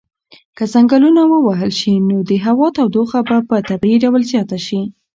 که ځنګلونه ووهل شي نو د هوا تودوخه به په طبیعي ډول زیاته شي.